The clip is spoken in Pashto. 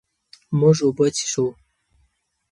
مونږ اوبه څښو.